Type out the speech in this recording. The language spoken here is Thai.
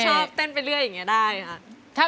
ชอบเต้นไปเรื่อยอย่างนี้ได้ค่ะ